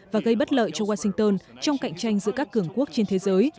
và gây bất lợi cho washington trong cạnh tranh giữa các cường quốc trên thế giới